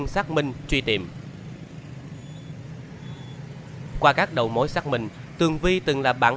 nghe tiếng đau khuôn